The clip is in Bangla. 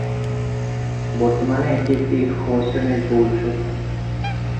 বর্তমানে এটি একটি "খ" শ্রেণীর পৌরসভা।